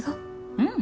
うん。